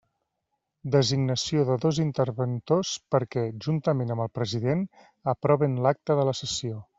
Designació de dos interventors perquè, juntament amb el president, aproven l'acta de la sessió.